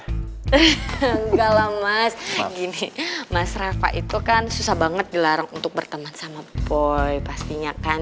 enggak lah mas gini mas rafa itu kan susah banget dilarang untuk berteman sama boy pastinya kan